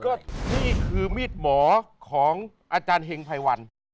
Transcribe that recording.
ก็นี่คือมีดหมอของอาจารย์เฮงไพวัน